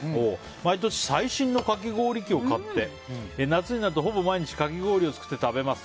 毎年最新のかき氷器を買って夏になるとほぼ毎日かき氷を作って食べます。